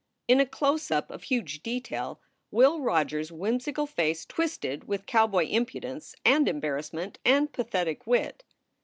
In a close up of huge detail, Will Rogers s whimsical face twisted with cowboy impudence and embarrassment and pathetic wit.